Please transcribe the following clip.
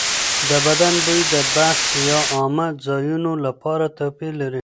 د بدن بوی د بس یا عامه ځایونو لپاره توپیر لري.